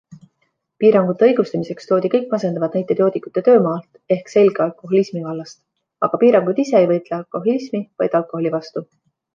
Piirangute õigustamiseks toodi kõik masendavad näited joodikute töömaalt ehk selge alkoholismi vallast, aga piirangud ise ei võitle alkoholismi, vaid alkoholi vastu.